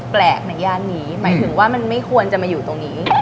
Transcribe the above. แปลกในย่านนี้หมายถึงว่ามันไม่ควรจะมาอยู่ตรงนี้